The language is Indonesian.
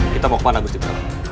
kita mau ke mana gusti pertama